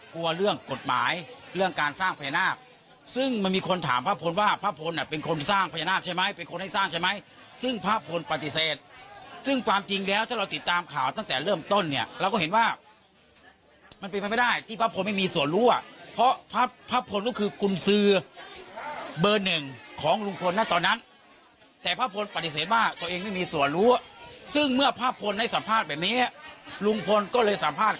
เป็นคนที่สร้างพญานาศใช่ไหมเป็นคนให้สร้างใช่ไหมซึ่งพระพูลปฏิเสธซึ่งความจริงแล้วถ้าเราติดตามข่าวตั้งแต่เริ่มต้นเนี่ยเราก็เห็นว่ามันเป็นไปไม่ได้ที่พระพูลไม่มีส่วนรู้อ่ะเพราะพระพูลก็คือคุณซือเบอร์หนึ่งของลุงพลนะตอนนั้นแต่พระพูลปฏิเสธว่าตัวเองไม่มีส่วนรู้ซึ่งเมื่อพระพูลได้